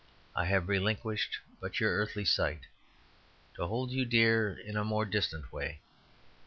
I have relinquished but your earthly sight, To hold you dear in a more distant way.